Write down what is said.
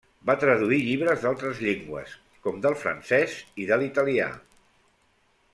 Va traduir llibres d'altres llengües, com del francès i de l'italià.